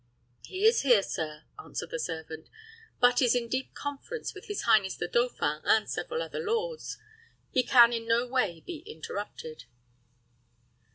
"He is here, sir," answered the servant; "but is in deep conference with his highness the dauphin and several other lords. He can in no way be interrupted."